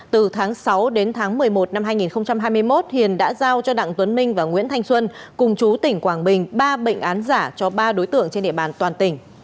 từ tháng sáu đến tháng một mươi một năm hai nghìn hai mươi một hiền đã giao cho đặng tuấn minh và nguyễn thanh xuân cùng chú tỉnh quảng bình ba bệnh án giả cho ba đối tượng trên địa bàn toàn tỉnh